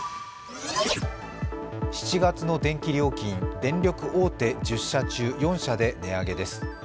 ７月の電気料金、電力大手１０社中４社で値上げです。